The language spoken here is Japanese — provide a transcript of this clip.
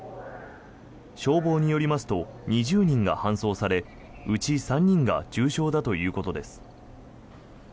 消防によりますと２０人が搬送されうち３人が重症だということです。